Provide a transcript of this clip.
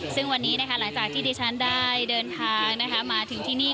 ซึ่งวันนี้หลังจากที่ดิฉันได้เดินทางมาถึงที่นี่